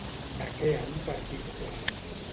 De què ha impartit classes?